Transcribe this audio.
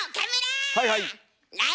はいはい。